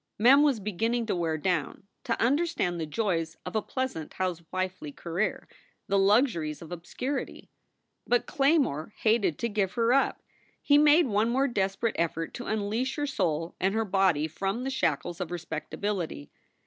Mem was beginning to wear down, to understand the joys of a pleasant housewifely career, the luxuries of obscurity. But Claymore hated to give her up. He made one more desperate effort to unleash her soul and her body from the shackles of respectability.